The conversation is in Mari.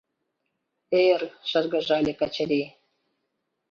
Эр, — шыргыжале Качырий.